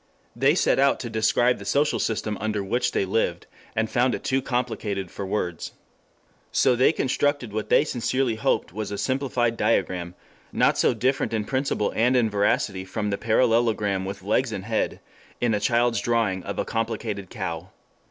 They set out to describe the social system under which they lived, and found it too complicated for words. So they constructed what they sincerely hoped was a simplified diagram, not so different in principle and in veracity from the parallelogram with legs and head in a child's drawing of a complicated cow.